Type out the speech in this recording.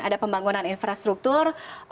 ada pembangunan infrastruktur